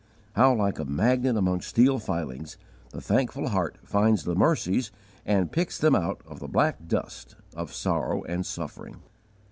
How, like a magnet among steel filings, the thankful heart finds the mercies and picks them out of the black dust of sorrow and suffering!